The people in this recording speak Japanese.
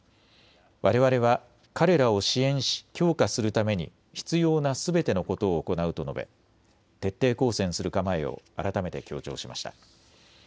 われわれは彼らを支援し強化するために必要なすべてのことを行うと述べ徹底抗戦する構えを改めて強調しました。